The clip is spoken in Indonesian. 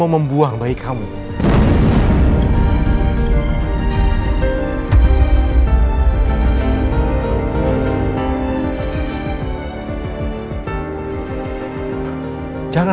aku tak boleh terus lebih sederhana